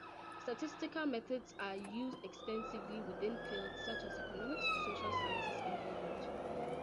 Statistical methods are used extensively within fields such as economics, social sciences and biology.